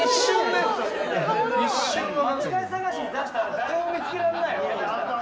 間違い探しに出したら誰も見つけられないよ。